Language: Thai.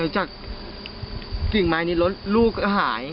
จากกิ่งไม้นี่ลูกหาย